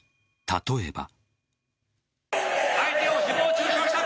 例えば。